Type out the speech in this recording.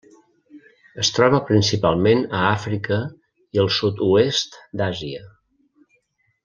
Es troba principalment a Àfrica i al sud-oest d'Àsia.